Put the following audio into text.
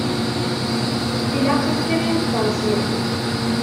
Ilaq-aɣ kan ad neffeɣ ssya.